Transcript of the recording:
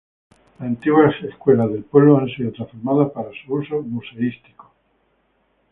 Las antiguas escuelas del pueblo han sido transformadas para su uso museístico.